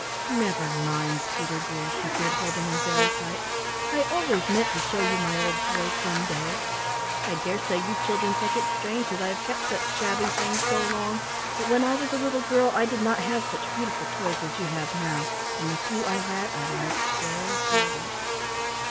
"Never mind, Peter, dear," she said, holding him very tight, "I always meant to show you my old toys some day. I dare say you children think it strange that I have kept such shabby things so long, but when I was a little girl I did not have such beautiful toys as you have now, and the few I had I loved very dearly."